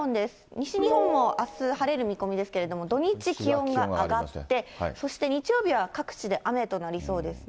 西日本もあす、晴れる見込みですけれども、土日気温が上がって、そして日曜日は、各地で雨となりそうですね。